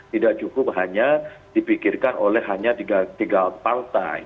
tidak cukup hanya dipikirkan oleh hanya tiga partai